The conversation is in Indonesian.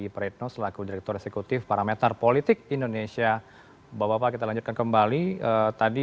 praetno selaku direktur eksekutif parameter politik indonesia bapak bapak kita lanjutkan kembali tadi